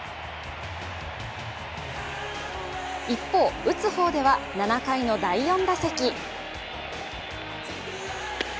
一方、打つ方では７回の第４打席。